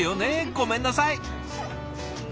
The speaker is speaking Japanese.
ごめんなさい。